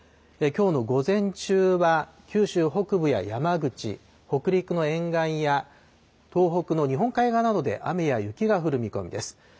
きょうの午前中は九州北部や山口、北陸の沿岸や東北の日本海側などで雨や雪が降る見込みです。